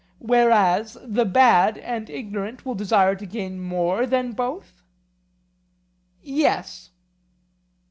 Whereas the bad and ignorant will desire to gain more than both? Yes.